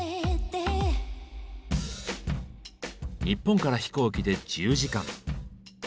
日本から飛行機で１０時間。